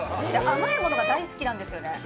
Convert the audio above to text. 甘いものが大好きなんですよね。